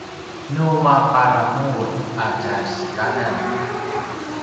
nu maparamur a tja sikanan